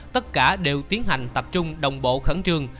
tất cả đều tiến hành tập trung đồng bộ khẩn trương